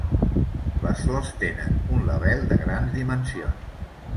Les flors tenen un label de grans dimensions.